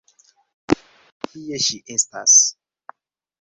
Tie ŝi estas.